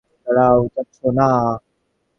দাঁড়াও, যাচ্ছো না?